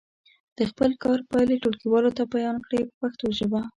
د خپل کار پایلې ټولګیوالو ته بیان کړئ په پښتو ژبه.